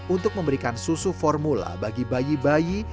untuk memberikan susu formula bagi bayi bayi